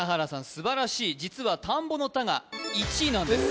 素晴らしい実は田んぼの「田」が１位なんです